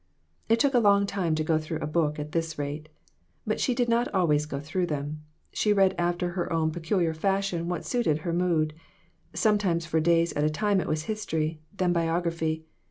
It took a long time to go through a book at this rate. But she did not always go through them. She read after her own peculiar fashion whatever suited her mood. Sometimes for days at a time it was history, then biogra phy.